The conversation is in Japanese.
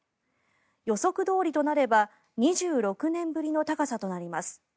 予測どおりとなれば２６年ぶりの高さとなります。